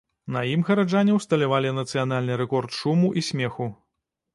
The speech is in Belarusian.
На ім гараджане ўсталявалі нацыянальны рэкорд шуму і смеху.